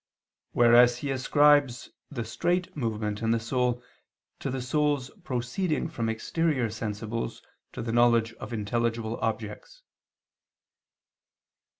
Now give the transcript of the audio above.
Whereas he ascribes the "straight" movement in the soul to the soul's proceeding from exterior sensibles to the knowledge of intelligible objects.